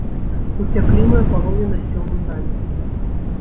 Уцяклі мы а палове на сёмую раніцы.